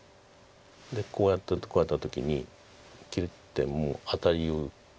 でこうやってこうやった時に切ってもアタリを打って。